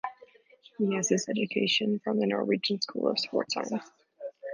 He has his education from the Norwegian School of Sport Sciences.